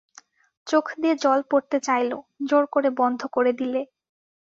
চোখ দিয়ে জল পড়তে চাইল, জোর করে বন্ধ করে দিলে।